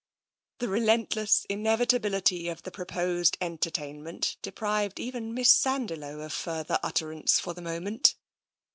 The relentless inevitability of the proposed enter tainment deprived even Miss Sandiloe of further ut terance for the moment.